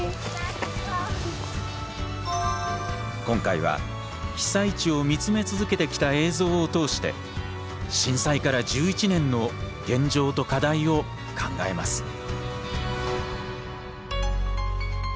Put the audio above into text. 今回は被災地を見つめ続けてきた映像を通して震災から１１年の現状と課題を考えます。